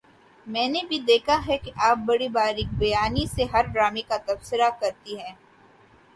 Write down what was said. میں نے بھی دیکھا ہے کہ آپ بڑی باریک بینی سے ہر ڈرامے کا تبصرہ کرتی ہیں